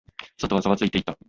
外はざわついていた。